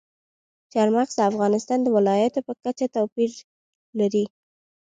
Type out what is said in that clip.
چار مغز د افغانستان د ولایاتو په کچه توپیر لري.